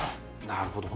なるほど。